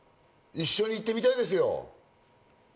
一緒に行ってみたいですよ。